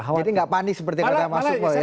jadi tidak panik seperti pada mas sukmo ya